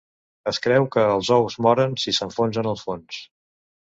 Es creu que els ous moren si s'enfonsen al fons.